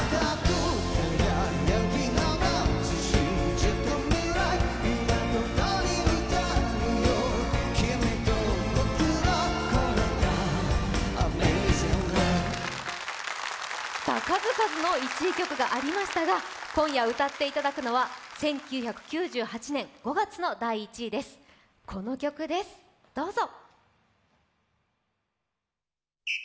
長年愛され続ける彼らの魅力とは数々の１位曲がありましたが今夜歌っていただくのは１９９８年、５月の１位、この曲です、どうぞ。